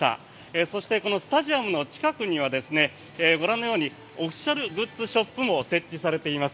そしてこのスタジアムの近くにはご覧のようにオフィシャルグッズショップも設置されています。